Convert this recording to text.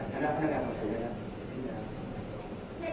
แต่ว่าไม่มีปรากฏว่าถ้าเกิดคนให้ยาที่๓๑